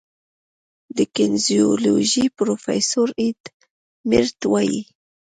د کینیزیولوژي پروفیسور ایډ میرټ وايي